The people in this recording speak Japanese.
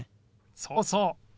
そうそう。